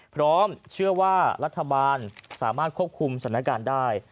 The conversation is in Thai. พร้อมเชื่อว่ารัฐบาลสามารถควบคุมสถานการณ์ได้